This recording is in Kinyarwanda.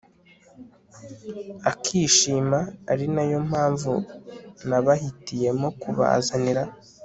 akishima, ari nayo mpamvu nabahitiyemo kubazanira